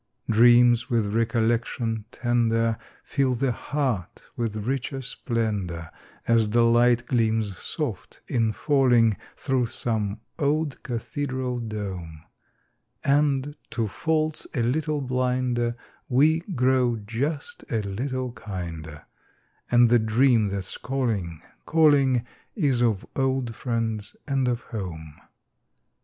D REAMS \9ith recollection tender Fill the Heart Ntfith richer ' splendor, As the light gleams soft in jullinq Through some ola cathedral dome ; And, to faults a little blinder, ADe gt'oxtf just a little hinder, And the dream that's call inq, calling , old friends and o home.